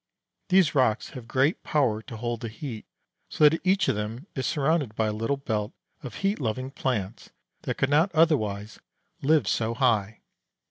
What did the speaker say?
These rocks have great power to hold the heat, so that each of them is surrounded by a little belt of heat loving plants that could not otherwise live so high.